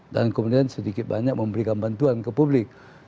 dan kemudian sedikit banyak memberikan bantuan ke publik